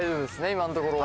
今のところは。